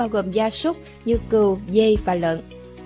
gồm gia súc như cừu dây và lợn